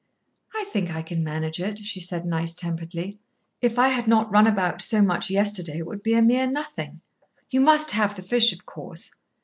"I think I can manage it," she said nice temperedly. "If I had not run about so much yesterday it would be a mere nothing. You must have the fish, of course.